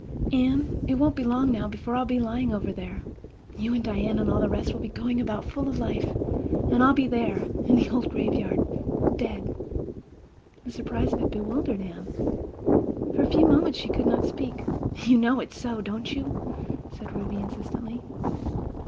"Anne, it won't be long now before I'll be lying over there. You and Diana and all the rest will be going about, full of life—and I'll be there—in the old graveyard—dead!" The surprise of it bewildered Anne. For a few moments she could not speak. "You know it's so, don't you?" said Ruby insistently.